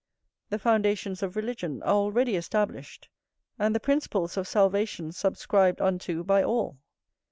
The foundations of religion are already established, and the principles of salvation subscribed unto by all.